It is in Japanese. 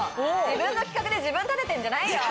自分の企画で自分立ててんじゃないよ！